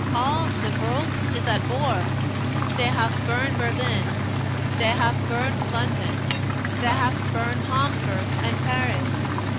"All de vorlt is at vor! They haf burn' Berlin; they haf burn' London; they haf burn' Hamburg and Paris.